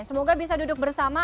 semoga bisa duduk bersama